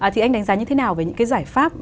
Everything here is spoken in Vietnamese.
thì anh đánh giá như thế nào về những cái giải pháp